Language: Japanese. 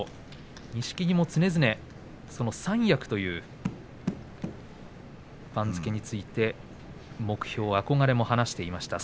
錦木も常々三役という番付について目標、憧れを話していました。